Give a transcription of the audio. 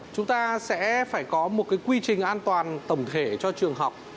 chúng ta sẽ phải có một cái quy trình an toàn tổng thể cho trường học